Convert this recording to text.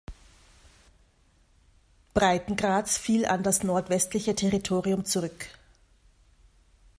Breitengrads fiel an das Nordwestliche Territorium zurück.